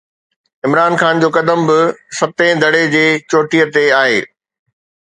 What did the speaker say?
عمران خان جو قدم به ستين دڙي جي چوٽي تي آهي.